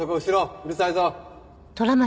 うるさいぞ。